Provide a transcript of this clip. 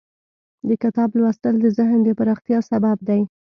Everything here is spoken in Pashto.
د کتاب لوستل د ذهن د پراختیا سبب دی.